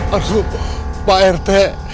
aduh pak rt